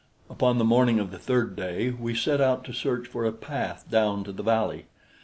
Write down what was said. Upon the morning of the third day we set out to search for a path down to the valley.